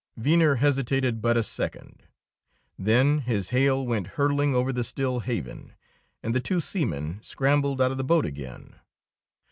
Venner hesitated but a second. Then his hail went hurtling over the still haven, and the two seamen scrambled out of the boat again.